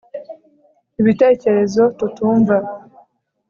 ibitekerezo tutumva